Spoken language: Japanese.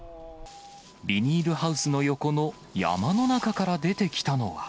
ビニールハウスの横の山の中から出てきたのは。